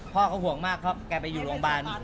พ่อเขาห่วงมากเพราะแกไปอยู่โรงพยาบาล